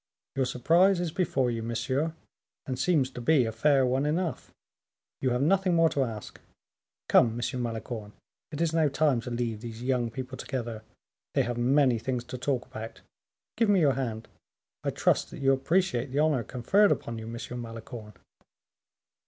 Your surprise is before you, monsieur, and seems to be a fair one enough; you have nothing more to ask. Come, M. Malicorne, it is now time to leave these young people together: they have many things to talk about; give me your hand; I trust that you appreciate the honor conferred upon you, M. Malicorne."